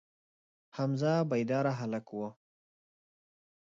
حمزه بیداره هلک و.